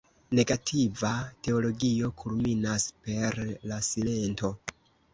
Negativa teologio kulminas per la silento.